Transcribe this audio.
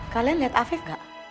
kalian lihat afif gak